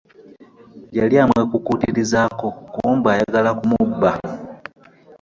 Yali amwekukutirizaako kumbe ayagala kumubba.